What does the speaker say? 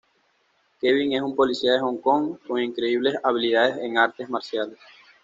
Kevin es un policía de Hong Kong con increíbles habilidades en artes marciales.